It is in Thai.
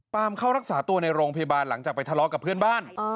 เข้ารักษาตัวในโรงพยาบาลหลังจากไปทะเลาะกับเพื่อนบ้าน